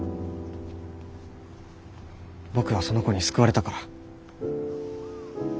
僕はその子に救われたから。